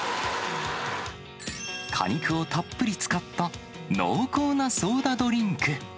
果肉をたっぷり使った濃厚なソーダドリンク。